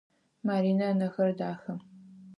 Маринэ ынэхэр дахэ.